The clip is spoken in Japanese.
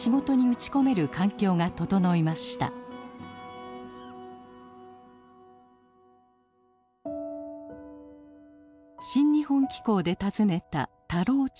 「新日本紀行」で訪ねた田老地区。